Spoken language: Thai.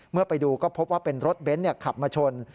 เมื่อไปดูก็พบว่าเป็นรถเบนท์ขับมาชน